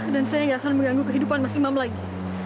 dan saya nggak akan mengganggu kehidupan mas imam lagi